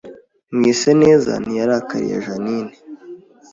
Mwiseneza ntiyarakariye Jeaninne